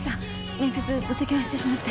面接どたキャンしてしまって。